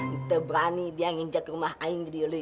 ntar berani dia nginjak ke rumah aing kadiu lu